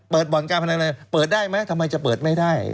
บ่อนการพนันอะไรเปิดได้ไหมทำไมจะเปิดไม่ได้